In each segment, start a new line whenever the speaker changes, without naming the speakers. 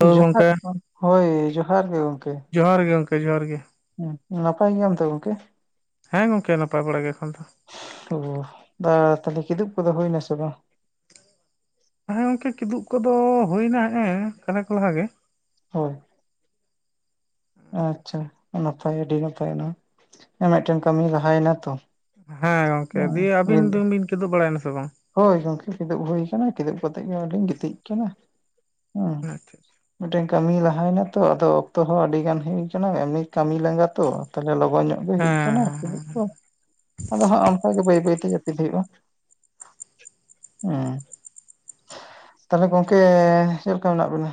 ᱦᱳ
ᱡᱚᱦᱟᱨ
ᱜᱚᱝᱠᱮ
ᱜᱮ ᱦᱳᱭ ᱡᱚᱦᱟᱨ ᱜᱮ ᱜᱚᱢᱠᱮ᱾
ᱡᱚᱦᱟᱨ ᱜᱮ ᱜᱚᱝᱠᱮ ᱡᱚᱦᱟᱨ ᱜᱮ᱾
ᱩᱸ ᱱᱟᱯᱟᱭ ᱜᱮᱭᱟᱢ ᱛᱚ ᱜᱚᱝᱠᱮ᱾
ᱦᱮᱸ ᱜᱚᱝᱠᱮ ᱱᱟᱯᱟᱭ ᱵᱟᱲᱟ ᱜᱮ ᱮᱠᱷᱚᱱ ᱫᱚ
ᱚ ᱛᱟᱦᱚᱞᱮ ᱠᱤᱫᱩᱵ ᱠᱚᱫᱚ ᱦᱩᱭ ᱮᱱᱟᱥᱮ ᱵᱟᱝ᱾
ᱦᱮᱸ ᱜᱚᱝᱠᱮ ᱠᱤᱫᱩᱵ ᱠᱚᱫᱚ ᱦᱩᱭᱮᱱᱟ ᱦᱮᱸ ᱠᱟᱞᱮ ᱠᱚᱞᱦᱟ ᱜᱮ᱾
ᱦᱳᱭ ᱟᱪᱪᱷᱟ [inaudible] ᱟᱹᱰᱤ ᱱᱟᱯᱟᱭ ᱱᱚᱣᱟ ᱢᱤᱫᱴᱮᱱ ᱠᱟᱹᱢᱤ ᱞᱟᱦᱟᱭᱮᱱᱟ ᱛᱚ᱾
ᱦᱮᱸ ᱜᱚᱝᱠᱮ ᱫᱤᱭᱮ ᱟᱹᱵᱤᱱ ᱫᱚ ᱵᱤᱱ ᱪᱮᱫᱚᱜ ᱵᱟᱲᱟᱭᱱᱟᱥᱮ ᱵᱟᱝ᱾
ᱦᱳᱭ ᱜᱚᱢᱠᱮ ᱠᱤᱫᱩᱵ ᱦᱩᱭ ᱠᱟᱱᱟ ᱠᱤᱫᱩᱵ ᱠᱟᱛᱮ ᱜᱮ ᱚᱸᱭ ᱞᱤᱧ ᱜᱤᱛᱤᱡ ᱠᱟᱱᱟ ᱦᱮᱸ᱾
ᱟᱪᱪᱷᱟ
ᱢᱤᱫᱴᱮᱱ ᱠᱟᱹᱢᱤ ᱞᱟᱦᱟᱭᱱᱟ ᱛᱚ ᱟᱫᱚ ᱚᱠᱛᱚ ᱦᱚᱸ ᱟᱹᱰᱤ ᱜᱟᱱ ᱦᱩᱭ ᱟᱠᱟᱱᱟ ᱮᱢᱱᱤ ᱠᱟᱹᱢᱤ ᱞᱟᱸᱜᱟ ᱛᱚ ᱛᱟᱦᱚᱞᱮ ᱞᱚᱜᱚᱱ ᱧᱚᱜ᱾ ᱦᱩᱭᱩᱜ
ᱦᱮᱸ
ᱠᱟᱱᱟ ᱠᱤᱫᱩᱜ ᱠᱚ ᱟᱫᱚ ᱦᱟᱸᱜ ᱚᱱᱠᱟ ᱜᱮ ᱵᱟᱹᱭ ᱵᱟᱹᱭᱛᱮ ᱡᱟᱹᱯᱤᱫ ᱦᱩᱭᱩᱜᱼᱟ᱾ ᱦᱮᱸ ᱛᱟᱦᱞᱮ ᱜᱚᱝᱠᱮ ᱪᱮᱫᱞᱮᱠᱟ ᱢᱮᱱᱟᱜ ᱵᱮᱤᱱᱟ᱾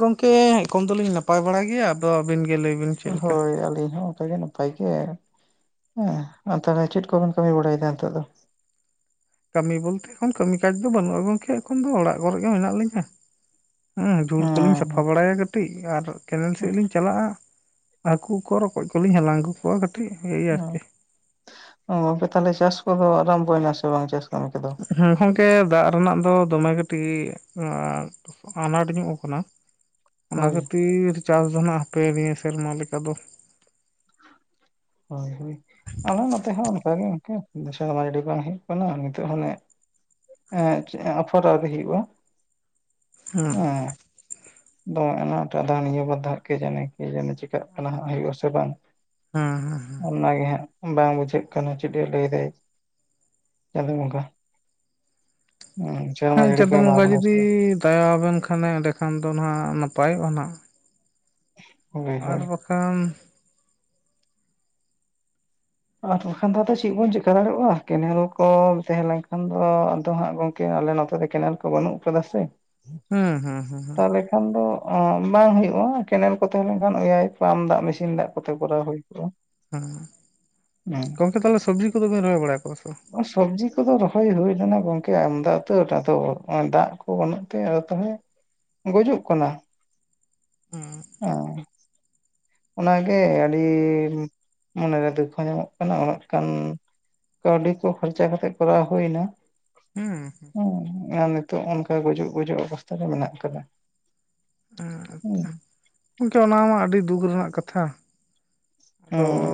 ᱜᱚᱝᱠᱮ ᱮᱠᱷᱚᱱ ᱫᱚᱞᱤᱧ ᱱᱟᱯᱟᱭ ᱵᱟᱲᱟ ᱜᱮᱭᱟ ᱟᱫᱚ ᱟᱹᱵᱤᱱ ᱜᱮ ᱞᱟᱹᱭ ᱵᱤᱱ ᱪᱮᱫ ᱞᱮᱠᱟ᱾
ᱟᱞᱤᱧ ᱦᱚᱸ ᱚᱱᱠᱟ ᱜᱮ᱾ ᱱᱟᱯᱟᱭ ᱜᱮ ᱦᱮᱸ ᱛᱟᱦᱚᱞᱮ ᱪᱮᱫ ᱠᱚᱵᱮᱱ ᱠᱟᱹᱢᱤ ᱵᱟᱲᱟᱭᱮᱫᱟ ᱱᱤᱛᱚᱜ ᱫᱚ᱾
ᱠᱟᱹᱢᱤ ᱵᱚᱞᱛᱮ ᱮᱠᱷᱚᱱ ᱠᱟᱹᱢᱤ ᱠᱟᱡᱽ ᱫᱚ ᱵᱟᱹᱱᱩᱜᱼᱟ ᱜᱚᱝᱠᱮ ᱮᱠᱷᱚᱱ ᱫᱚ ᱚᱲᱟᱜ ᱠᱚᱨᱮ ᱜᱮ ᱢᱮᱱᱟᱜ ᱞᱤᱧᱟᱹ᱾ ᱦᱮᱸ ᱫᱷᱩᱲ ᱠᱚᱞᱤᱧ ᱥᱟᱯᱷᱟ
ᱦᱮᱸ
ᱵᱟᱲᱟᱭᱟ ᱠᱟᱹᱴᱤᱡ ᱟᱨ ᱠᱮᱱᱮᱞ ᱥᱮᱫ ᱞᱤᱧ ᱪᱟᱞᱟᱜᱼᱟ᱾ ᱦᱟᱹᱠᱩ ᱠᱚ ᱨᱚᱠᱚᱡ ᱠᱚᱞᱤᱧ ᱦᱟᱞᱟᱝ ᱟᱹᱜᱩ ᱠᱚᱣᱟ ᱠᱟᱹᱴᱤᱡ ᱚᱭ ᱟᱨᱠᱤ᱾
ᱜᱚᱝᱠᱮ ᱛᱟᱦᱚᱞᱮ ᱪᱟᱥ ᱠᱚᱫᱚ ᱟᱨᱟᱢ ᱵᱚᱭᱱᱟᱥ ᱵᱟᱝ ᱪᱟᱥ ᱠᱟᱹᱢᱤ ᱠᱚᱫᱚ᱾
ᱦᱮᱸ ᱜᱚᱝᱠᱮ ᱫᱟᱜ ᱨᱮᱱᱟᱜ ᱫᱚ ᱫᱚᱢᱮ ᱠᱟᱹᱴᱤᱡ᱾ ᱟᱱᱟᱴ ᱧᱚᱜ ᱟᱠᱟᱱᱟ᱾ ᱚᱱᱟ
ᱦᱳᱭ
ᱠᱷᱟᱹᱛᱤᱨ ᱪᱟᱥ ᱫᱚ ᱱᱟᱜ ᱦᱟᱯᱮ ᱱᱤᱭᱟᱹ ᱥᱮᱨᱢᱟ ᱞᱮᱠᱟ ᱫᱚ᱾
ᱦᱳᱭ ᱦᱳᱭ᱾ ᱟᱞᱮ ᱱᱚᱛᱮ ᱦᱚᱸ ᱚᱱᱠᱟ ᱜᱮ [inaudible] ᱟᱭᱰᱤ ᱵᱟᱝ ᱦᱩᱭᱩᱜ ᱠᱟᱱᱟ ᱟᱨ ᱱᱤᱛᱚᱜ ᱦᱚᱸᱱᱮ᱾ ᱦᱮᱸ ᱟᱯᱚᱨ ᱟᱣᱨᱤ ᱦᱩᱭᱩᱜᱼᱟ
ᱦᱮᱸ
ᱮᱸ᱾ ᱫᱚ ᱚᱱᱟᱱᱟᱴ ᱱᱤᱭᱟᱹ ᱵᱟᱨᱫᱷᱟᱣ ᱠᱮ ᱡᱟᱱᱮ ᱠᱮ ᱡᱟᱱᱮ ᱪᱤᱠᱟᱹᱜ ᱠᱟᱱᱟ ᱦᱩᱭᱩᱜ ᱟᱥᱮ ᱵᱟᱝ᱾
ᱦᱩᱸ ᱦᱩᱸ ᱦᱩᱸ
ᱚᱱᱟᱜᱮ ᱦᱟᱸᱜ ᱵᱟᱝ ᱵᱩᱡᱷᱟᱹᱜ ᱠᱟᱱᱟ ᱪᱮᱫ ᱮ ᱞᱟᱹᱭᱫᱟᱭ ᱪᱟᱸᱫᱳ ᱵᱚᱜᱟ᱾ ᱦᱩᱸ
ᱦᱮᱸ ᱪᱟᱸᱫᱚ ᱵᱚᱸᱜᱟ ᱡᱩᱫᱤ ᱫᱟᱭᱟᱵᱮᱱ ᱠᱷᱟᱱᱮ ᱮᱸᱰᱮ ᱠᱷᱟᱱ ᱫᱚ ᱦᱟᱜ ᱱᱟᱯᱟᱭᱚᱜᱼᱟ ᱱᱟᱦᱟᱜ᱾
ᱦᱳᱭ
ᱟᱨ
ᱦᱳᱭ
ᱵᱟᱠᱷᱟᱱ᱾
ᱟᱨ ᱵᱟᱝᱠᱷᱟᱱ ᱫᱚ ᱟᱫᱚ ᱪᱮᱫ ᱵᱚᱱ ᱪᱮᱠᱟ ᱫᱟᱲᱮᱭᱟᱜᱼᱟ ᱠᱮᱱᱮᱞ ᱠᱚ ᱛᱟᱸᱦᱮ ᱞᱮᱱᱠᱷᱟᱱ ᱫᱚ ᱟᱫᱚ ᱦᱟᱸᱜ ᱜᱚᱝᱠᱮ᱾ ᱟᱞᱮ ᱱᱚᱛᱮ ᱛᱮ ᱠᱮᱱᱮᱞ ᱠᱚ ᱵᱟᱹᱱᱩᱜ ᱟᱠᱟᱫ ᱥᱮ᱾
ᱦᱩᱸ ᱦᱩᱸ ᱦᱩᱸ ᱦᱩᱸ
ᱛᱟᱦᱚᱞᱮ ᱠᱷᱟᱱ ᱫᱚ ᱵᱟᱝ ᱦᱩᱭᱩᱜᱼᱟ ᱠᱮᱱᱮᱞ ᱠᱚ ᱛᱟᱸᱦᱮ ᱞᱮᱠᱷᱟᱱ ᱚᱭᱟᱭ ᱯᱟᱢᱯ ᱫᱟᱜ ᱢᱮᱥᱤᱱ ᱫᱟᱜ ᱠᱚᱛᱮ ᱠᱚᱨᱟᱣ ᱦᱩᱭ ᱠᱚᱜᱼᱟ᱾
ᱦᱮᱸ
ᱦᱮᱸ
ᱜᱚᱝᱠᱮ ᱛᱟᱦᱚᱞᱮ ᱥᱚᱵᱽᱡᱤ ᱠᱚᱫᱚ ᱵᱮᱱ ᱨᱚᱦᱚᱭ ᱵᱟᱲᱟ ᱟᱠᱟᱫᱟ ᱥᱮ ᱵᱟᱝ᱾
ᱥᱚᱵᱽᱡᱤ ᱠᱚᱫᱚ ᱨᱚᱦᱚᱭ ᱦᱩᱭ ᱞᱮᱱᱟ ᱜᱚᱝᱠᱮ ᱟᱢᱫᱟ ᱩᱛᱨ ᱟᱫᱚ ᱫᱟᱜ ᱠᱚ ᱵᱟᱹᱱᱩᱜ ᱛᱮ ᱛᱟᱦᱞᱮ᱾ ᱜᱩᱡᱩᱜ ᱠᱟᱱᱟ
ᱵᱟᱝ
ᱟᱸ᱾ ᱚᱱᱟᱜᱮ ᱟᱹᱰᱤ ᱢᱚᱱᱮ ᱨᱮ ᱫᱩᱠ ᱦᱚᱸ ᱧᱟᱢᱚᱜ ᱠᱟᱱᱟ ᱩᱱᱟᱹᱜ ᱠᱟᱱ᱾ ᱠᱟᱹᱣᱰᱤ ᱠᱚ ᱠᱷᱚᱨᱪᱟ ᱠᱟᱛᱮᱜ ᱠᱚᱨᱟᱣ ᱦᱩᱭᱱᱟ᱾
ᱦᱮᱸ
ᱦᱮᱸ ᱟᱨ ᱱᱤᱛᱚᱜ ᱚᱱᱠᱟ ᱜᱩᱡᱩᱜ ᱜᱩᱡᱩᱜ ᱚᱵᱚᱥᱛᱷᱟ ᱨᱮ ᱢᱮᱱᱟᱜ ᱠᱟᱫᱟ᱾
ᱟᱪᱪᱷᱟ ᱜᱚᱝᱠᱮ ᱚᱱᱟ ᱢᱟ ᱟᱹᱰᱤ ᱫᱩᱠ ᱨᱮᱱᱟᱜ ᱠᱟᱛᱷᱟ᱾ ᱟᱫᱚ
ᱦᱮᱸ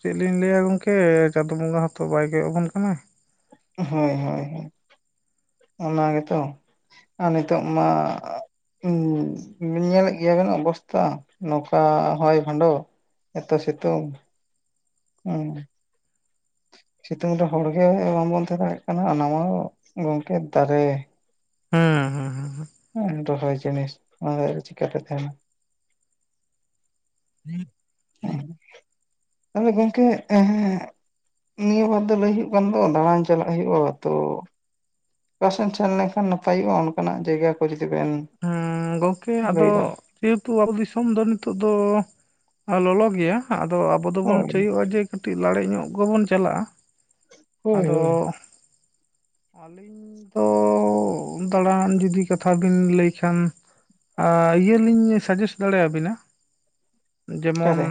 ᱪᱮᱫ ᱞᱤᱧ ᱞᱟᱹᱭ ᱟ ᱜᱚᱝᱠᱮ ᱪᱟᱸᱫᱳ ᱵᱚᱸᱜᱟ ᱦᱚᱛᱚ ᱵᱟᱭ ᱜᱚᱜ ᱟᱵᱚᱱ ᱠᱟᱱᱟᱭ᱾
ᱦᱳᱭ ᱦᱳᱭ ᱚᱱᱟ ᱜᱮᱛᱚ ᱟᱨ ᱱᱤᱛᱚᱜ ᱢᱟ ᱦᱩ ᱧᱮᱞᱮᱫ ᱜᱮᱭᱟ ᱵᱮᱱ ᱚᱵᱚᱥᱛᱛᱟ ᱱᱚᱝᱠᱟ ᱦᱚᱭ ᱵᱷᱟᱱᱰᱚ ᱮᱛᱚ ᱥᱮᱛᱳᱝ ᱦᱩ ᱥᱤᱛᱩᱝ ᱨᱮ ᱦᱚᱲ ᱜᱮ ᱵᱟᱝᱵᱚᱱ ᱛᱟᱦᱮᱸ ᱫᱟᱲᱭᱟᱜ ᱠᱟᱱᱟ ᱚᱱᱟ ᱢᱟ ᱜᱚᱝᱠᱮ ᱫᱟᱨᱮ
ᱦᱮᱸ ᱦᱮᱸ ᱦᱮᱸ
ᱨᱚᱦ ᱡᱤᱱᱤᱥ ᱚᱱᱟ ᱪᱮᱠᱟᱛᱮ ᱛᱟᱦᱮᱱᱟ ᱛᱟᱦᱚᱞᱮ ᱜᱚᱢᱠᱮ ᱱᱤᱭᱟᱹ ᱵᱟᱨ ᱫᱚ ᱞᱟᱹᱭ ᱦᱳᱜ ᱠᱟᱱ ᱫᱚ ᱫᱟᱬᱟᱱ ᱪᱟᱞᱟᱜ ᱦᱳᱭᱳ-ᱟ ᱛᱚ ᱚᱠᱟᱥᱮᱱ ᱥᱮᱱ ᱞᱮᱱᱠᱷᱟᱱ ᱱᱟᱯᱟᱭᱚᱜ-ᱟ ᱚᱱᱠᱟᱱᱟᱜ ᱡᱟᱭᱜᱟ ᱠᱚ ᱡᱩᱫᱤ ᱵᱮᱱ
ᱦᱮᱸ ᱜᱚᱝᱠᱮ ᱟᱫᱚ
ᱞᱟᱹᱭᱫᱟ
ᱡᱮᱦᱮᱛᱩ ᱟᱵᱚ ᱫᱤᱥᱚᱢ ᱫᱚ ᱱᱤᱛᱚᱜ ᱫᱚ ᱞᱚᱞᱚ ᱜᱮᱭᱟ ᱟᱫᱚ ᱟᱵᱚ ᱫᱚᱵᱚᱱ
ᱦᱳᱭ
ᱪᱟᱹᱭᱚᱜ-ᱟ ᱡᱮ ᱠᱟᱹᱴᱤᱡ ᱞᱟᱲᱮᱡ ᱧᱚᱜ ᱜᱮᱵᱚᱱ ᱪᱟᱞᱟᱜ-ᱟ
ᱦᱳᱭ
ᱟᱫᱚ
ᱦᱳᱭ
ᱟᱹᱞᱤᱧ ᱫᱚ ᱫᱟᱬᱟᱱ ᱡᱩᱫᱤ ᱠᱟᱛᱷᱟ ᱵᱤᱱ ᱞᱟᱹᱭ ᱮᱱᱠᱷᱟᱱ ᱤᱭᱟᱹᱞᱤᱧ ᱥᱟᱡᱮᱥᱴ ᱫᱟᱲᱮᱭᱟᱵᱤᱱᱟ ᱡᱮᱢᱚᱱ
ᱚᱠᱟᱨᱮ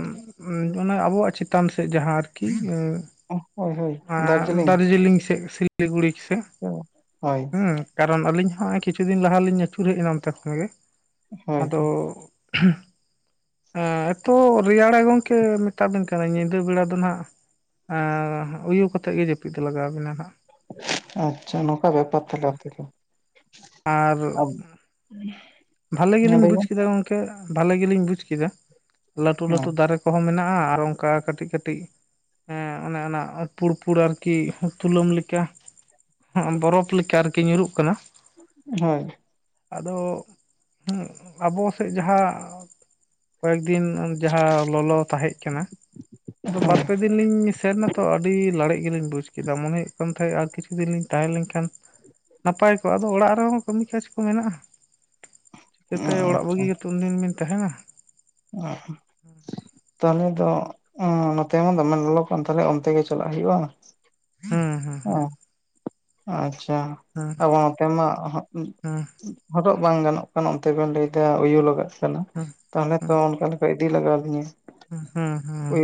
ᱚᱱᱟ ᱟᱵᱚᱣᱟᱜ ᱪᱮᱛᱟᱱ ᱥᱮᱫ ᱡᱟᱦᱟᱸ ᱟᱨᱠᱤ
ᱦᱳᱭ ᱦᱳᱭ
ᱫᱟᱨᱡᱤᱞᱤᱝ ᱥᱮᱫ ᱥᱤ ᱥᱤᱞᱤ ᱜᱩᱲᱤ ᱥᱮ
ᱦᱳᱭ
ᱦᱩᱸ ᱠᱟᱨᱚᱱ ᱟᱹᱞᱤᱧ ᱦᱚᱸᱜ ᱠᱤᱪᱷᱩ ᱫᱤᱱ ᱞᱟᱦᱟ ᱞᱤᱧ ᱟᱹᱪᱩᱨ ᱦᱮᱡ ᱮᱱᱟ ᱛᱮ ᱠᱷᱚᱱ ᱜᱮ
ᱦᱳᱭ
ᱟᱫᱚ
ᱛᱚ
ᱦᱮᱸ ᱮᱛᱚ ᱨᱮᱭᱟᱲᱮ ᱜᱚᱝᱠᱮ ᱢᱮᱛᱟᱵᱤᱱ ᱠᱟᱱᱟ ᱧᱤᱫᱟᱹ ᱵᱮᱲᱟ ᱫᱚ ᱱᱟᱦᱟᱜ ᱩᱭᱩ ᱠᱟᱛᱮᱫ ᱜᱮ ᱡᱟᱹᱯᱤᱫ ᱫᱚ ᱞᱟᱜᱟᱣᱵᱤᱱᱟ ᱦᱟᱜ᱾
ᱟᱪᱪᱷᱟ ᱱᱚᱝᱠᱟ ᱵᱮᱯᱟᱨ ᱛᱟᱦᱮ ᱟᱞᱮ ᱫᱚ
ᱟᱨ
ᱦᱮᱸ
ᱵᱷᱟᱞᱮ ᱜᱮᱞᱤᱧ
ᱞᱟᱹᱭ ᱵᱮᱱ
ᱵᱩᱡ ᱠᱮᱫᱟ ᱜᱚᱢᱠᱮ, ᱵᱷᱟᱞᱮ ᱜᱮᱞᱤᱧ ᱵᱩᱡ ᱠᱮᱫᱟ, ᱞᱟᱹᱴᱩ ᱞᱟᱹᱴᱩ ᱫᱟᱨᱮ ᱠᱚ ᱠᱚᱦᱚᱸ ᱢᱮᱱᱟᱜ-ᱟ ᱟᱨ ᱚᱱᱠᱟ ᱠᱟᱹᱴᱤᱡ ᱠᱟᱹᱴᱤᱡ ᱦᱚᱸ ᱚᱱᱮ ᱚᱱᱟ ᱯᱩᱲ ᱯᱩᱲ ᱟᱨᱠᱤ ᱛᱩᱞᱟᱹᱢ ᱞᱮᱠᱟ ᱦᱚᱜ-ᱚ ᱵᱚᱨᱚᱯᱷ ᱞᱮᱠᱟ ᱟᱨᱠᱤ ᱧᱩᱨᱩᱜ ᱠᱟᱱᱟ᱾
ᱦᱳᱭ
ᱟᱫᱚ ᱦᱩᱸ ᱟᱵᱚ ᱥᱮᱫ ᱡᱟᱦᱟ ᱠᱚᱭᱮᱠ ᱫᱤᱱ ᱡᱟᱦᱟ ᱞᱚᱞᱚ ᱛᱟᱦᱮᱸᱜ ᱠᱟᱱᱟ᱾ ᱛᱚ ᱵᱟᱨ
ᱟᱪᱪᱷᱟ
ᱯᱮ ᱫᱤᱱ ᱞᱤᱧ ᱥᱮᱱ ᱱᱟ ᱛᱚ ᱟᱹᱰᱤ ᱞᱟᱲᱮᱡ ᱜᱮᱞᱤᱧ ᱵᱩᱡᱽ ᱠᱮᱫᱟᱜ ᱢᱚᱱᱮ ᱦᱩᱭᱩᱜ ᱠᱟᱱ ᱛᱟᱦᱮᱸᱫ ᱟᱨ ᱠᱤᱪᱷᱩ ᱫᱤᱱ ᱞᱤᱧ ᱛᱟᱦᱮᱸ ᱞᱮᱱᱠᱷᱟᱱ ᱱᱟᱯᱟᱭ ᱠᱚᱜ-ᱟ ᱟᱫᱚ ᱚᱲᱟᱜ ᱨᱮᱦᱚᱸ ᱠᱟᱹᱢᱤ ᱠᱟᱡᱽ ᱠᱚ ᱢᱮᱱᱟᱜ-ᱟ᱾ ᱪᱤᱠᱟᱹᱛᱮ ᱚᱲᱟᱜ ᱵᱟᱹᱜᱤ ᱠᱟᱛᱮ ᱩᱱᱫᱤᱱ ᱵᱤᱱ ᱛᱟᱦᱮᱱᱟ᱾
ᱚ ᱛᱟᱦᱚᱞᱮ ᱫᱚ ᱚᱸ ᱱᱚᱛᱮ ᱢᱟ ᱫᱚᱢᱮ ᱞᱚᱞᱚ ᱠᱟᱱ ᱛᱟᱦᱮᱞᱮ ᱚᱱᱛᱮ ᱜᱮ ᱪᱟᱞᱟᱜ ᱦᱩᱭᱩᱜ-ᱟ᱾
ᱦᱩᱸ ᱦᱩᱸ
ᱚ ᱟᱪᱪᱷᱟ
ᱦᱩᱸ
ᱟᱵᱚ ᱱᱚᱛᱮ ᱢᱟ
ᱦᱩᱸ
[unintelligible] ᱦᱚᱴᱚᱜ ᱵᱟᱝ ᱜᱟᱱᱚᱜ ᱠᱟᱱᱟ ᱚᱱᱛᱮ ᱵᱮᱱ ᱞᱟᱹᱭᱫᱟ ᱩᱭᱩ ᱞᱟᱜᱟᱫ ᱛᱟᱦᱟᱞᱮ ᱛᱟᱦᱚᱞᱮ
ᱦᱩᱸ
ᱛᱚ ᱚᱱᱠᱟ ᱞᱮᱠᱟ ᱤᱫᱤ ᱞᱟᱜᱟᱣ ᱟᱞᱤᱧᱟ
ᱦᱩᱸ ᱦᱩᱸ ᱦᱩᱸ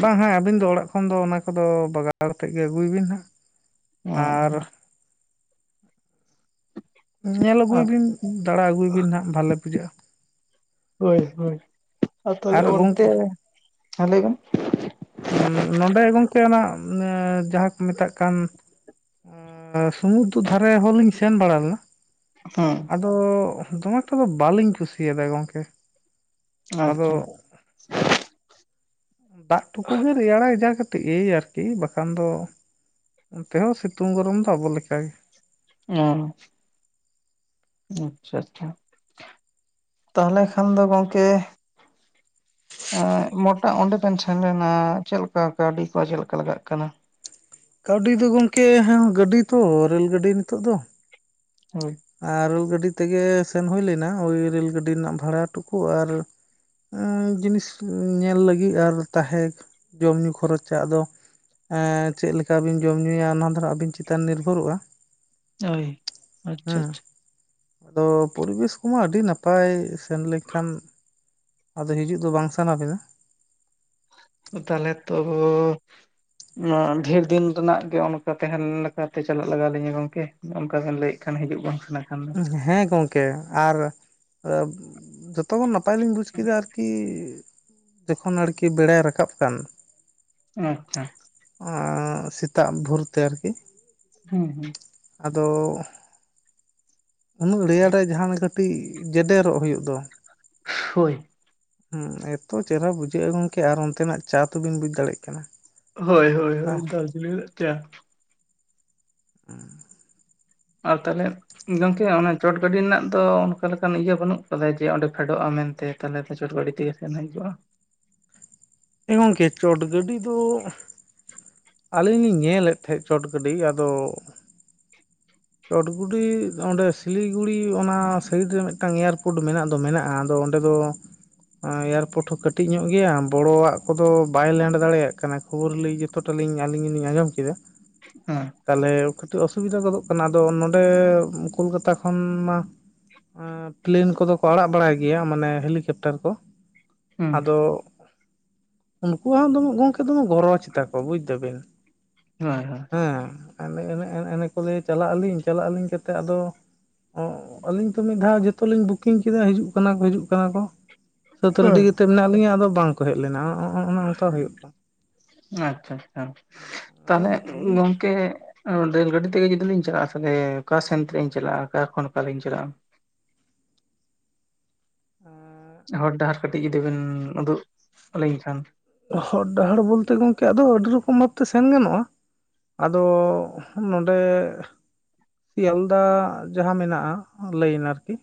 ᱵᱟᱝ ᱦᱮᱸ ᱟᱹᱵᱤᱱ ᱫᱚ ᱚᱲᱟᱜ ᱠᱷᱚᱱ ᱛᱚᱠᱷᱚᱱ ᱫᱚ ᱚᱱᱟ ᱠᱚᱫᱚ ᱵᱟᱜᱟᱲ ᱟᱛᱮᱫ ᱜᱮ ᱟᱹᱜᱩᱭᱵᱤᱱ ᱦᱟᱸᱜ
ᱚᱸ
ᱟᱨ ᱧᱮᱞ ᱟᱹᱜᱩᱭ
ᱟᱨ
ᱵᱤᱱ, ᱫᱟᱲᱟ ᱟᱹᱜᱩᱭ ᱵᱤᱱ ᱦᱟᱸᱜ ᱵᱷᱟᱞᱮ ᱵᱩᱡᱷᱟᱹᱜᱼᱟ᱾
ᱳᱭ, ᱦᱳᱭ ᱟ ᱛᱷᱟᱞᱮ
ᱟᱨ
ᱚᱱᱛᱮ
ᱜᱚᱝᱠᱮ
ᱨᱮ, ᱦᱮᱸ, ᱞᱟᱹᱭ ᱵᱮᱱ᱾
ᱩᱸ ᱱᱚᱰᱮ ᱜᱚᱝᱠᱮ, ᱚᱱᱟ ᱮᱸ ᱡᱟᱦᱟ ᱠᱚ ᱢᱮᱛᱟᱜ ᱠᱟᱱ ᱟ 'ᱥᱩᱢᱩᱫᱫᱷᱩ' ᱫᱷᱟᱨᱮ ᱦᱚᱞᱤᱧ ᱥᱮᱱ ᱵᱟᱲᱟ ᱞᱮᱱᱟ᱾
ᱦᱩᱸ᱾
ᱟᱫᱚ ᱫᱚᱢᱮ ᱮᱠᱴᱟ ᱫᱚ ᱵᱟᱞᱤᱧ ᱠᱩᱥᱤᱭᱟᱫᱟ ᱜᱚᱝᱠᱮ! ᱟᱫᱚ
ᱟᱪᱪᱷᱟ!
ᱫᱟᱜ ᱴᱷᱩᱠᱩ ᱜᱮ ᱨᱮᱭᱟᱲᱟᱭᱟ, ᱡᱟ ᱠᱟᱹ- -ᱴᱤᱜ ᱮᱹᱻᱭ ᱟᱨᱠᱤ ᱵᱟᱠᱷᱟᱱ ᱫᱚ, ᱚᱱᱛᱮ ᱦᱚ ᱥᱤᱛᱩᱝ ᱜᱚᱨᱚᱢ ᱫᱚ ᱟᱵᱚ ᱞᱮᱠᱟᱜᱮ᱾
ᱚᱸ᱾ ᱟᱪᱪᱷᱟ, ᱪᱷᱟ, ᱛᱟᱦᱞᱮ ᱠᱷᱟᱱ ᱫᱚ ᱜᱚᱝᱠᱮ ᱟᱸ ᱢᱚᱴᱟᱜ ᱚᱸᱰᱮ ᱵᱮᱱ ᱥᱮᱱ ᱞᱮᱱᱟ ᱪᱮᱜ ᱞᱮᱠᱟ, ᱠᱟᱣᱰᱤ ᱠᱚ ᱪᱮᱜ ᱞᱮᱠᱟ ᱞᱟᱜᱟᱜ ᱠᱟᱱᱟ?
ᱠᱟᱹᱣᱰᱤ ᱫᱚ ᱜᱚᱝᱠᱮ ᱦᱮᱸ ᱜᱟᱹᱰᱤ ᱛᱚ, ᱨᱮᱹᱞ ᱜᱟᱹᱰᱤ ᱱᱤᱛᱚᱜ ᱫᱚ!
ᱦᱳᱭ!
ᱟᱨ ᱨᱳ ᱜᱟᱹᱰᱤ ᱛᱮᱜᱮ ᱥᱮᱱ ᱦᱩᱭ ᱞᱮᱱᱟ, ᱳᱭ ᱨᱮᱹᱞ ᱜᱟᱹᱰᱤᱨ ᱱᱟᱜ ᱵᱷᱟᱲᱟ ᱴᱩᱠᱩ ᱟᱨ ᱮᱸᱚᱸ ᱡᱤᱱᱤᱥ ᱧᱮᱞ ᱞᱟᱹᱜᱤᱜ ᱟᱨ ᱛᱟᱦᱮ, ᱡᱚᱢ-ᱧᱩ ᱠᱷᱚᱨᱚᱪᱟ ᱟᱫᱚ ᱮᱸ ᱪᱮᱜ ᱞᱮᱠᱟ ᱵᱤᱱ ᱡᱚᱢ ᱧᱩᱭᱟ, ᱚᱱᱟ ᱫᱷᱟᱨᱟ ᱟᱵᱤᱱ ᱪᱮᱛᱟᱱ ᱱᱤᱨᱵᱷᱚᱨᱚᱜᱼᱟ!
ᱳᱭ᱾ ᱟᱪᱪᱷᱟ
ᱦᱮᱸ
ᱟᱪᱪᱷᱟ
ᱟᱫᱚ ᱯᱚᱨᱤᱵᱮᱹᱥ ᱠᱚᱢᱟ ᱟᱹᱰᱤ ᱱᱟᱯᱟᱭ, ᱥᱮᱱ ᱞᱮᱠᱷᱟᱱ ᱟᱫᱚ ᱦᱤᱡᱩᱜ ᱫᱚ ᱵᱟᱝ ᱥᱟᱱᱟ ᱵᱤᱱᱟ!
ᱛᱟᱦᱞᱮ ᱛᱳ! ᱩᱝᱟ ᱰᱷᱮᱨ ᱫᱤᱱ ᱨᱮᱱᱟᱜ ᱜᱮ, ᱚᱱᱠᱟ ᱛᱮᱦᱮᱱ ᱞᱮᱠᱟᱛᱮ ᱪᱟᱞᱟᱜ ᱞᱟᱜᱟᱣ ᱞᱤᱧᱟᱹ ᱜᱚᱝᱠᱮ᱾ ᱚᱱᱠᱟ ᱵᱮᱱ ᱞᱟᱹᱭᱮᱜ ᱠᱷᱟᱱ, ᱦᱤᱡᱩᱜ ᱵᱟᱝ ᱱᱟᱜ ᱠᱷᱟᱱ ᱫᱚ
ᱦᱮᱸ, ᱜᱚᱝᱠᱮ ᱟᱨ ᱟᱹᱵ [inaudible] ᱛᱚ ᱱᱟᱯᱟᱭ ᱞᱤᱧ ᱵᱩᱡᱽ ᱠᱮᱫᱟ ᱟᱨᱠᱤ, ᱡᱚᱠᱷᱚᱱ ᱟᱲᱠᱤ ᱵᱮᱲᱟᱭ ᱨᱟᱠᱟᱵ ᱠᱟᱱ᱾
ᱟᱸᱪᱪᱷᱟ᱾
ᱚᱸ ᱥᱮᱛᱟᱜ ᱵᱷᱳᱨ ᱛᱮ ᱟᱨᱠᱤ᱾
ᱦᱩᱸ, ᱦᱩᱸ᱾
ᱟᱫᱚ ᱩᱱᱟᱹᱜ ᱲᱮᱭᱟᱲ ᱨᱮ ᱡᱟᱦᱟᱨᱮᱸ ᱠᱟᱹᱴᱤᱡ ᱡᱮᱰᱮᱨᱚᱜ ᱦᱩᱭᱩᱜ ᱫᱚ!
ᱠᱷᱳᱭ!
ᱦᱩᱸ ᱮᱛᱚ ᱪᱮᱦᱨᱟ ᱵᱩᱡᱷᱟᱹᱜᱼᱟ ᱜᱚᱝᱠᱮ ᱟᱨ ᱚᱱᱛᱮᱱᱟᱜ ᱪᱟ ᱛᱚ ᱵᱤᱱ ᱵᱩᱡᱽ ᱫᱟᱲᱮᱜ ᱠᱟᱱᱟ!
ᱦᱳᱭ, ᱦᱳᱭ, ᱦᱳᱭ,
ᱟᱦ
'ᱫᱟᱨᱡᱤᱞᱤᱝ' [inaudible] ᱪᱟ᱾
ᱦ [unintelligible]
ᱟ ᱛᱟᱦᱞᱮ ᱜᱚᱝᱠᱮ ᱚᱱᱟ ᱪᱚᱴ ᱜᱟᱹᱰᱤ ᱱᱟᱜ ᱫᱚ ᱚᱱᱠᱟ ᱞᱮᱠᱟᱱ ᱤᱭᱟᱹ ᱵᱟᱹᱱᱩᱜ ᱠᱟᱫᱟ, ᱡᱮ ᱚᱸᱰᱮ ᱯᱷᱮᱰᱚᱜᱼᱟ ᱢᱮᱱᱛᱮ? ᱛᱷᱟᱞᱮ ᱛᱚ ᱪᱚᱴ ᱜᱟᱹᱰᱤ ᱛᱮᱜᱮ ᱥᱮᱱ ᱦᱤᱡᱩᱜᱼᱟ᱾
ᱮ ᱜᱚᱝᱠᱮ ᱪᱚᱴ ᱜᱟᱹᱰᱤ ᱫᱚ ᱟᱞᱤ ᱧᱤᱧ ᱧᱮᱞᱮᱫ ᱛᱷᱮᱜ ᱪᱚᱴ ᱜᱟᱹᱰᱤ ᱟᱫᱚ ᱪᱚᱴᱜᱩᱰᱤ ᱚᱸᱰᱮ 'ᱥᱤᱞᱤᱜᱩᱲᱤ' ᱚᱱᱟ ᱥᱟᱹᱭᱤᱰ ᱨᱮ ᱢᱤᱜᱴᱟᱝ ᱭᱟᱨᱠᱳᱰ ᱢᱮᱱᱟᱜ ᱫᱚ ᱢᱮᱱᱟᱜᱼᱟ᱾ ᱟᱫᱚ ᱰᱮ ᱫᱚ ᱮᱸ ᱭᱟᱨᱯᱳᱴ ᱦᱳ ᱠᱟᱹᱴᱤᱡ ᱧᱚᱜ ᱜᱮᱹᱭᱟ, ᱵᱚᱲᱚᱣᱟᱜ ᱠᱚᱫᱚ ᱵᱟᱭ ᱞᱮᱱᱰ ᱫᱟᱲᱮᱭᱟᱜ ᱠᱟᱱᱟ! ᱠᱷᱳᱵᱳᱨ ᱞᱟᱹᱭ ᱡᱚᱛᱚᱴᱟ ᱞᱤᱧ ᱟᱹᱞᱤᱧ [inaudible] ᱟᱧᱚᱢ ᱠᱮᱫᱟ,
ᱮᱸ!
ᱛᱟᱞᱮ ᱠᱷᱟᱹᱴᱤᱡ ᱚᱥᱩᱵᱤᱫᱟ ᱜᱚᱫᱚᱜ ᱠᱟᱱᱟ᱾ ᱫᱚ ᱱᱚᱰᱮ ᱩᱸ ᱠᱳᱞᱠᱟᱛᱟ ᱠᱷᱚᱱ ᱢᱟ ᱮᱸ ᱯᱞᱮᱹᱱ ᱠᱚᱫᱚ ᱠᱚ ᱟᱲᱟᱜ ᱵᱟᱲᱟᱭ ᱜᱮᱹᱭᱟ, ᱢᱟᱱᱮ ᱦᱮᱞᱤᱠᱮᱯᱴᱟᱨ ᱠᱚ᱾
ᱦᱩᱸ
ᱟᱫᱚ ᱩᱱᱠᱩ ᱦᱚᱸ ᱫᱚᱢᱮ ᱜᱚᱢᱠᱮ ᱫᱚᱢᱮ ᱜᱚᱨᱚᱣ ᱛᱟ ᱠᱚ। ᱵᱩᱡᱽ ᱠᱮᱫᱟ ᱵᱤᱱ?
ᱦᱮᱸ ᱦᱮᱸ᱾
ᱦᱮᱸ ᱮᱱ ᱮᱱᱮ ᱠᱚᱞᱮ ᱪᱟᱞᱟᱜ ᱟᱞᱤᱧ ᱪᱟᱞᱟᱜ ᱟᱹᱞᱤᱧ ᱠᱟᱛᱮᱫ ᱟᱫᱚ ᱼᱼ ᱚ ᱟᱹᱞᱤᱧ ᱛᱚ ᱢᱤᱫ ᱫᱷᱟᱣ ᱡᱷᱚᱛᱚ ᱞᱤᱧ ᱵᱩᱠᱤᱝ ᱠᱮᱫᱟ᱾ ᱦᱤᱡᱩᱜ ᱠᱟᱱᱟ ᱠᱚ, ᱦᱤᱡᱩᱜ ᱠᱟᱱᱟ ᱠᱚ। ᱥᱟᱹᱛ ᱨᱮᱰᱤ
ᱦᱳᱭ
ᱠᱟᱛᱮᱫ ᱢᱮᱱᱟᱜ ᱞᱤᱧᱟᱹ, ᱟᱫᱚ ᱵᱟᱝ ᱠᱚ ᱦᱮᱡ ᱞᱮᱱᱟ᱾ ᱚᱸ ᱚᱸ ᱚᱱᱮ ᱚᱝᱠᱟ ᱦᱩᱭᱩᱜ ᱠᱟᱱᱟ।
ᱟᱪᱪᱷᱟ ᱟᱪᱪᱷᱟ
ᱟᱫᱚ
ᱛᱟᱦᱚᱞᱮ
ᱟᱹᱞᱤᱧ
ᱜᱚᱝ ᱼᱼ ᱠᱮ ᱨᱮᱞ ᱜᱟᱹᱰᱤ ᱛᱮᱜᱮ ᱡᱩᱫᱤ ᱞᱤᱧ ᱪᱟᱞᱟᱜᱼᱟ, ᱛᱟᱦᱚᱞᱮ ᱚᱠᱟ ᱥᱮᱱ ᱛᱮ ᱞᱤᱧ ᱪᱟᱞᱟᱜᱼᱟ᱾ ᱚᱠᱟ ᱠᱷᱚᱱ ᱚᱠᱟᱞᱤᱧ ᱪᱟᱞᱟᱜᱼᱟ? ᱦᱚᱨ ᱰᱟᱦᱟᱨ ᱠᱟᱹᱴᱤᱡ ᱡᱩᱫᱤᱵᱤᱱ ᱩᱫᱩᱜ ᱟᱹᱞᱤᱧ ᱠᱷᱟᱱ
ᱦᱚᱨ ᱰᱟᱦᱟᱨ ᱵᱚᱞᱛᱮ ᱜᱚᱝᱠᱮ, ᱟᱫᱚ ᱟᱹᱰᱤ ᱨᱚᱠᱚᱢ ᱵᱷᱟᱵᱽ ᱛᱮ ᱥᱮᱱ ᱜᱟᱱᱚᱜᱼᱟ। ᱟᱫᱚ ᱱᱚᱰᱮ ᱼᱼ ᱥᱤᱭᱟᱞᱫᱟ ᱡᱟᱦᱟᱸ ᱢᱮᱱᱟᱜᱼᱟ, ᱞᱟᱹᱤᱱ ᱟᱨᱠᱤ᱾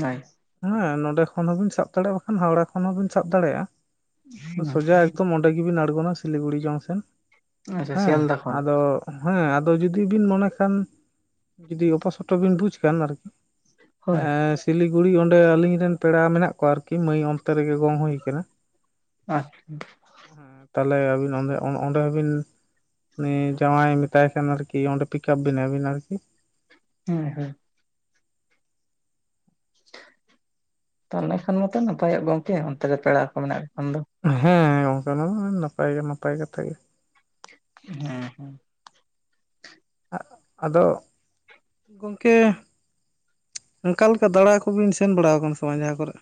ᱦᱳᱭ ᱿
ᱦᱮᱸ ᱱᱚᱰᱮ ᱠᱷᱚᱱ ᱦᱚᱸᱵᱤᱱ ᱥᱟᱵᱽ ᱫᱟᱲᱮᱭᱟᱜᱼᱟ, ᱵᱟᱝᱠᱷᱟᱱ ᱦᱟᱣᱲᱟ ᱠᱷᱚᱱ ᱦᱚᱸᱵᱤᱱ ᱥᱟᱵ ᱫᱟᱲᱮᱭᱟᱜᱼᱟ। ᱥᱚᱡᱟ ᱮᱠᱫᱚᱢ ᱼᱼ ᱚᱸᱰᱮ ᱜᱮᱵᱤᱱ ᱟᱬᱜᱚᱱᱟ, ᱥᱤᱞᱤᱜᱩᱲᱤ ᱡᱚᱝᱥᱚᱱ
ᱟᱪᱪᱷᱟ
ᱦᱮᱸ
ᱥᱤᱭᱟᱞᱫᱟ ᱠᱷᱚᱱ
ᱟᱫᱚ ᱦᱮᱸ ᱟᱫᱚ ᱡᱩᱫᱤ ᱵᱤᱱ ᱢᱚᱱᱮ ᱠᱷᱟᱱ ᱡᱩᱫᱤ ᱚᱯᱟᱥᱚᱴᱚ ᱵᱤᱱ ᱵᱩᱡ ᱠᱷᱟᱱ ᱟᱨᱠᱤ।
ᱦᱳᱭ
ᱦᱮᱸᱻ ᱥᱤᱞᱤᱜᱩᱲᱤ ᱚᱸᱰᱮ ᱟᱹᱞᱤᱧ ᱨᱮᱱ ᱯᱮᱲᱟ ᱢᱮᱱᱟᱜ ᱠᱚᱣᱟ ᱟᱨᱠᱤ, ᱢᱟᱹᱭ ᱚᱱᱛᱮ ᱨᱮᱜᱮ ᱜᱚᱝ ᱦᱩᱭ ᱠᱟᱱᱟ।
ᱟᱡ
ᱛᱟᱦᱟᱞᱮ ᱟᱹᱵᱤᱱᱸ ᱚᱸᱰᱮ ᱚᱱ ᱚᱸᱰᱮ ᱦᱚᱸ ᱵᱤᱱ ᱩᱱᱤ ᱡᱟᱶᱟᱭ ᱢᱮᱛᱟᱭ ᱠᱷᱟᱱ ᱟᱨᱠᱤ ᱚᱸᱰᱮ ᱯᱤᱠᱟᱯ ᱵᱤᱱᱟᱭ ᱟᱹᱵᱤᱱ ᱟᱨᱠᱤ।
ᱦᱮᱸ ᱦᱳᱭ᱾ ᱛᱟᱦᱟᱞᱮ ᱠᱷᱟᱱ ᱢᱟᱛᱚ ᱱᱟᱯᱟᱭᱚᱜ ᱜᱮᱭᱟ ᱜᱚᱝᱠᱮ, ᱚᱱᱛᱮ ᱨᱮ ᱯᱮᱲᱟ ᱠᱚ ᱢᱮᱱᱟᱜ ᱠᱷᱟᱱ ᱫᱚ
ᱦᱮᱸ ᱜᱚᱝᱠᱮ ᱚᱱᱟ ᱫᱚ ᱱᱟᱯᱟᱭ ᱜᱮ ᱱᱟᱯᱟᱭ ᱠᱟᱛᱷᱟ ᱜᱮ।
ᱦᱮᱸ ᱦᱮᱸ᱾
ᱟᱜ ᱟᱫᱚ ᱜᱚᱢᱠᱮ ᱚᱱᱠᱟ ᱞᱮᱠᱟ ᱫᱟᱬᱟ ᱠᱚᱵᱤᱱ ᱥᱮᱱ ᱵᱟᱲᱟ ᱟᱠᱟᱱᱟ ᱥᱮ ᱵᱟᱝ ᱡᱟᱦᱟᱸ ᱠᱚᱨᱮ?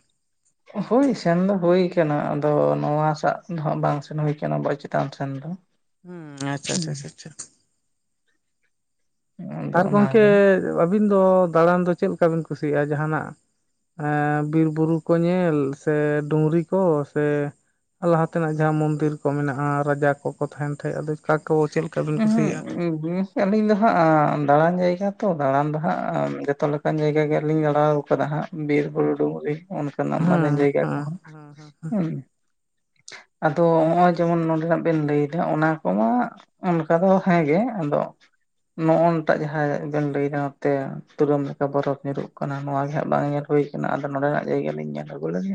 ᱦᱳᱭ ᱥᱮᱱ ᱫᱚ ᱦᱩᱭ ᱠᱟᱱᱟ᱾ ᱟᱫᱚ ᱱᱚᱣᱟ ᱥᱟᱜ ᱫᱚ ᱦᱟᱸᱜ ᱵᱟᱝ ᱥᱮᱱ ᱦᱩᱭ ᱠᱟᱱᱟ ᱵᱚ ᱪᱮᱛᱟᱱ ᱥᱮᱱ ᱫᱚ।
ᱦᱩᱸ ᱟᱪᱪᱷᱟ, ᱟᱪᱪᱷᱟ,
ᱦᱩᱸ
ᱟᱪᱪᱷᱟ, ᱟᱪᱪᱷᱟ
ᱟᱫᱚ
ᱟᱨ ᱜᱚᱢᱠᱮ
ᱚᱱᱟᱜᱮ
ᱟᱹᱵᱤᱱ ᱫᱚ ᱫᱟᱬᱟᱱ ᱫᱚ ᱪᱮᱫ ᱞᱮᱠᱟ ᱵᱤᱱ ᱠᱩᱥᱤᱭᱟᱜᱼᱟ? ᱡᱟᱦᱟᱱᱟᱜ ᱮᱸ ᱵᱤᱨ ᱵᱩᱨᱩ ᱠᱚ ᱧᱮᱞ᱾ ᱥᱮ ᱰᱩᱝᱨᱤ ᱠᱚ ᱥᱮ ᱞᱟᱦᱟ ᱛᱮᱱᱟᱜ ᱡᱟᱦᱟᱸ ᱢᱚᱱᱫᱤᱨ ᱠᱚ ᱢᱮᱱᱟᱜᱼᱟ᱾ ᱨᱟᱡᱟ ᱠᱚᱠᱚ ᱛᱟᱦᱮᱱ ᱛᱟᱦᱮᱸᱫ, ᱟᱫᱚ ᱚᱠᱟ ᱠᱚ ᱪᱮᱫ ᱞᱮᱠᱟ ᱵᱤᱱ ᱠᱩᱥᱤᱭᱟᱜᱼᱟ?
[unintelligible] ᱟᱹᱞᱤᱧ ᱫᱚ ᱦᱟᱸᱜ᱾ ᱫᱟᱬᱟᱱ ᱡᱟᱭᱜᱟ ᱛᱚ ᱫᱟᱬᱟᱱ ᱫᱚ ᱦᱟᱸᱜ ᱡᱚᱛᱚ ᱞᱮᱠᱟ ᱚᱱᱠᱟᱱ ᱡᱟᱭᱜᱟ ᱜᱮᱞᱤᱧ ᱞᱟᱲᱟ ᱠᱟᱫᱟ ᱦᱟᱸᱜ᱾ ᱵᱤᱨ ᱵᱩᱨᱩ, ᱰᱩᱝᱨᱤ ᱚᱱᱠᱟ ᱱᱟᱜ ᱢᱟᱨᱟᱝ
ᱦᱮᱸ
ᱡᱟᱭᱜᱟ ᱠᱚ
ᱦᱮᱸ
ᱦᱟᱸᱜ।
ᱦᱮᱸ
ᱦᱮᱸ [unintelligible] ᱟᱫᱚ ᱦᱚᱸᱜᱼᱚᱭ ᱡᱮᱢᱚᱱ ᱱᱚᱰᱮ ᱱᱟᱜ ᱵᱮᱱ ᱞᱟᱹᱭ ᱮᱫᱟ᱾ ᱚᱱᱟ ᱠᱚᱢᱟ ᱚᱱᱠᱟ ᱫᱚ ᱦᱮᱸᱜᱮ, ᱟᱫᱚ ᱱᱚᱜᱼᱚᱭ ᱴᱟᱜ ᱡᱟᱦᱟᱸ ᱵᱮᱱ ᱞᱟᱹᱭ ᱮᱫᱟ, ᱱᱚᱛᱮ ᱛᱩᱞᱟᱹᱢ ᱞᱮᱠᱟ ᱵᱚᱨᱚᱯᱷ ᱧᱩᱨᱩᱜ ᱠᱟᱱᱟ᱾ ᱱᱚᱣᱟ ᱜᱮ ᱦᱟᱸᱜ ᱵᱟᱝ ᱧᱮᱞ ᱦᱩᱭ ᱟᱠᱟᱱᱟ᱾ ᱟᱫᱚ ᱱᱚᱰᱮᱱᱟᱜ ᱡᱟᱭᱜᱟ ᱞᱤᱧ ᱧᱮᱞ ᱟᱹᱜᱩ ᱞᱮᱜᱮ᱾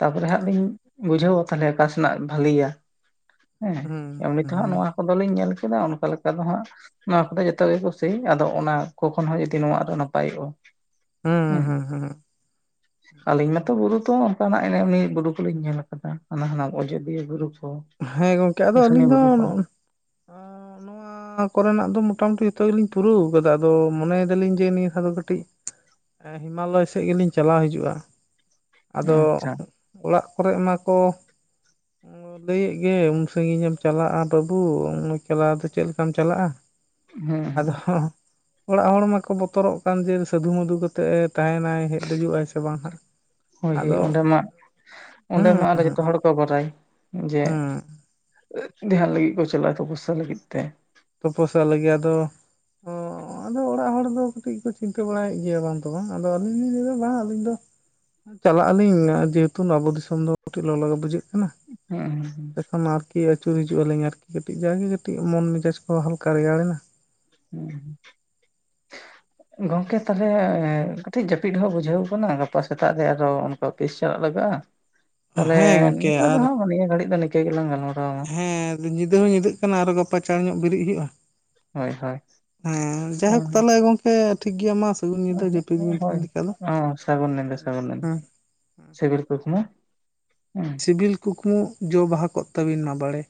ᱛᱟᱯᱚᱨᱮ ᱦᱟᱸᱜ ᱞᱤᱧ ᱵᱩᱡᱷᱟᱹᱣᱟ, ᱛᱟᱦᱚᱞᱮ ᱚᱠᱟ ᱥᱮᱱᱟᱜ ᱵᱟᱹᱞᱮᱭᱟ᱾ ᱦᱮᱸ ᱮᱢᱱᱤ ᱛᱮᱦᱟᱸᱜ ᱱᱚᱣᱟ ᱠᱚᱫᱚᱞᱤᱧ ᱧᱮᱞ ᱠᱮᱫᱟ᱾ ᱚᱱᱠᱟ ᱞᱮᱠᱟ ᱫᱚ ᱦᱟᱸᱜ ᱱᱚᱣᱟ ᱠᱚᱫᱚ ᱡᱚᱛᱚ ᱜᱮ ᱠᱩᱥᱤ, ᱟᱫᱚ ᱚᱱᱟ ᱠᱚ ᱠᱷᱚᱱ ᱦᱚᱸ ᱡᱩᱫᱤ ᱱᱚᱣᱟ ᱱᱟᱯᱟᱭᱚᱜᱼᱟ᱾
ᱦᱮᱸ
ᱦᱩᱸ᱾
ᱦᱮᱸ ᱦᱮᱸ ᱦᱮᱸ
ᱟᱹᱞᱤᱧ ᱢᱟᱛᱚ ᱵᱩᱨᱩ ᱛᱚ, ᱚᱱᱠᱟᱱᱟᱜ ᱮᱱᱮ ᱵᱩᱨᱩ ᱠᱚᱞᱤᱧ ᱧᱮᱞ ᱟᱠᱟᱫᱟ᱾ ᱦᱟᱱᱟ ᱦᱟᱱᱟᱝ ᱚᱡᱽᱫᱤᱭᱟᱹ ᱵᱩᱨᱩ ᱠᱚ᱾
ᱦᱮᱸ ᱜᱚᱢᱠᱮ ᱟᱫᱚ
ᱥᱩᱥᱩᱱᱤᱭᱟᱹ
ᱟᱹᱞᱤᱧ ᱫᱚ
ᱵᱩᱨᱩ ᱠᱚ [inaudible]
ᱱᱚᱣᱟ ᱠᱚᱨᱮᱱᱟᱜ ᱫᱚ ᱢᱚᱴᱟᱢᱩᱴᱤ ᱱᱚᱣᱟ ᱡᱚᱛᱚ ᱜᱮᱞᱤᱧ ᱯᱩᱨᱟᱹᱣ ᱠᱟᱫᱟ᱾ ᱟᱫᱚ ᱢᱚᱱᱮᱭ ᱫᱟᱞᱤᱧ ᱡᱮ ᱱᱤᱭᱟᱹ ᱫᱷᱟᱣ ᱫᱚ ᱠᱟᱹᱴᱤᱡ
[inaudible]
ᱮᱸ ᱦᱤᱢᱟᱞᱚᱭ ᱥᱮᱜ ᱜᱮᱞᱤᱧ ᱪᱟᱞᱟᱣ ᱦᱤᱡᱩᱜᱼᱟ᱾ ᱟᱫᱚ
ᱟᱪᱪᱷᱟ
ᱚᱲᱟᱜ ᱠᱚᱨᱮ ᱚᱱᱟᱠᱚ, ᱞᱟᱹᱭᱮᱫ ᱜᱮ ᱩᱱ ᱥᱟᱺᱜᱤᱧ ᱮᱢ ᱪᱟᱞᱟᱜᱼᱟ ᱵᱟᱹᱵᱩ ᱚᱱᱠᱟ ᱪᱟᱞᱟᱣ ᱫᱚ ᱪᱮᱫ ᱞᱮᱠᱟᱢ ᱪᱟᱞᱟᱜᱼᱟ,
ᱦᱮᱸ
ᱟᱫᱚ
ᱦᱮᱸ
ᱦᱚᱸ ᱚᱲᱟᱜ ᱦᱚᱲ ᱢᱟᱠᱚ ᱵᱚᱛᱚᱨᱚᱜ ᱠᱟᱱ ᱡᱮ ᱥᱟᱹᱫᱷᱩ ᱢᱚᱫᱷᱩ ᱠᱟᱛᱮ ᱛᱟᱦᱮᱱᱟᱭ ᱦᱮᱡ ᱫᱮᱡᱩᱜᱼᱟᱭ ᱥᱮ ᱵᱟᱝ ᱦᱟᱜ,
ᱦᱳᱭ ᱦᱳᱭ ᱚᱸᱰᱮ ᱢᱟ ᱚᱸᱰᱮ ᱢᱟ
ᱦᱩᱸ
ᱟᱨᱚ ᱡᱚᱛᱚ ᱦᱚᱲ ᱠᱚ ᱵᱟᱰᱟᱭ ᱡᱮ
ᱦᱩᱸ
ᱫᱷᱮᱭᱟᱱ ᱞᱟᱹᱜᱤᱫ ᱠᱚ ᱪᱟᱞᱟᱜᱼᱟ ᱛᱚ ᱯᱚᱥᱟ ᱞᱟᱹᱜᱤᱫ ᱛᱮ,
ᱛᱚᱯᱚᱥᱟᱜ ᱞᱟᱹᱜᱤᱫ ᱟᱫᱚ
[inaudible]
ᱟᱫᱚ ᱚᱲᱟᱜ ᱦᱚᱲ ᱫᱚ ᱠᱟᱹᱴᱤᱜ ᱠᱚ ᱪᱤᱱᱛᱟᱹ ᱵᱟᱲᱟᱭᱮᱫ ᱜᱮᱭᱟ ᱵᱟᱝ ᱛᱚ ᱵᱟᱝ ᱟᱫᱚ ᱟᱹᱞᱤᱧ ᱞᱤᱧ ᱞᱟᱹᱭᱫᱟ ᱵᱟᱝ ᱟᱹᱞᱤᱧ ᱫᱚ, ᱪᱟᱞᱟᱜ ᱟᱞᱤᱧ ᱡᱮᱦᱮᱛᱩ ᱱᱟᱵᱚ ᱫᱤᱥᱚᱢ ᱫᱚ ᱠᱟᱹᱴᱤᱡ ᱞᱚᱞᱚ ᱜᱮ ᱵᱩᱡᱷᱟᱹᱜ ᱠᱟᱱᱟ
ᱦᱩᱸ
ᱮᱠᱷᱚᱱ ᱟᱨᱠᱤ ᱟᱹᱪᱩᱨ ᱦᱤᱡᱩᱜ ᱟᱹᱞᱤᱧ ᱟᱨᱠᱤ ᱠᱟᱹᱴᱤᱡ ᱡᱟ ᱜᱮ ᱠᱟᱹᱴᱤᱡ ᱢᱚᱱ ᱢᱮᱡᱟᱡ, ᱚ ᱦᱟᱞᱠᱟ ᱨᱮᱭᱟᱲᱮᱱᱟ᱾
ᱦᱮᱸ ᱜᱚᱝᱠᱮ ᱛᱟᱦᱞᱮ ᱠᱟᱹᱴᱤᱡ ᱡᱟᱹᱯᱤᱫ ᱦᱚᱸ ᱵᱩᱡᱷᱟᱹᱣ ᱟᱠᱟᱱᱟ ᱜᱟᱯᱟ ᱥᱮᱛᱟᱜ ᱨᱮ ᱟᱨᱚ ᱚᱱᱠᱟ ᱚᱯᱷᱤᱥ ᱪᱟᱞᱟᱜ ᱞᱟᱜᱟᱜᱼᱟ, ᱛᱟᱦᱞᱮ
ᱦᱮᱸ ᱜᱚᱝᱠᱮ
ᱱᱤᱛᱳᱜ ᱫᱚ
ᱟᱨ
ᱦᱟᱸᱜ ᱱᱤᱭᱟᱹ ᱜᱷᱟᱹᱲᱤᱜ ᱫᱚ ᱱᱤᱝᱠᱟᱹ ᱜᱮᱞᱟᱝ ᱜᱟᱞᱢᱟᱨᱟᱣᱟ᱾
ᱦᱮᱸ ᱧᱤᱫᱟᱹ ᱦᱚᱸ ᱧᱤᱫᱟᱹᱜ ᱠᱟᱱᱟ ᱟᱨᱚ ᱜᱟᱯᱟ ᱪᱟᱬ ᱧᱚᱜ ᱵᱤᱨᱮᱫ ᱦᱩᱭᱩᱜᱼᱟ,
ᱦᱳᱭ ᱦᱳᱭ
ᱦᱮᱸ ᱡᱟᱭᱦᱳᱠ ᱛᱟᱦᱞᱮ ᱜᱚᱝᱠᱮ ᱴᱷᱤᱠ ᱜᱮᱭᱟ ᱢᱟᱥ᱾
ᱚ ᱦᱳᱭ ᱥᱟᱹᱜᱩᱱ ᱧᱤᱫᱟᱹ
ᱦᱮᱸ
ᱥᱟᱹᱜᱩᱱ ᱧᱤᱫᱟᱹ᱾
ᱦᱮᱸ
ᱥᱮᱜᱩᱲ ᱠᱩᱠᱢᱩ ᱦᱩᱸ,
ᱥᱤᱵᱤᱞ ᱠᱩᱠᱢᱩ ᱡᱚ ᱵᱟᱦᱟ ᱠᱚᱜ ᱛᱟᱹᱵᱤᱱ ᱢᱟ ᱵᱟᱲᱮ,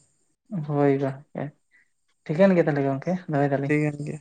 ᱦᱳᱭ ᱜᱟ ᱴᱷᱤᱠᱟᱹᱱ ᱜᱮᱭᱟ ᱛᱟᱦᱚᱞᱮ ᱜᱚᱝᱠᱮ, ᱫᱚᱦᱚᱭ ᱫᱟᱞᱤᱧ
ᱴᱷᱤᱠᱟᱹᱱ ᱜᱮᱭᱟ᱾